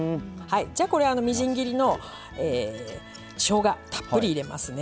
じゃこれみじん切りのしょうがたっぷり入れますね。